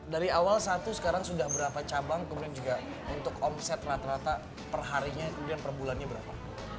dari awal satu sekarang sudah berapa cabang kemudian juga untuk omset rata rata perharinya kemudian per bulannya berapa